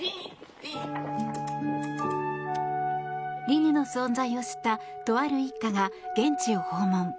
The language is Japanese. リニの存在を知ったとある一家が現地を訪問。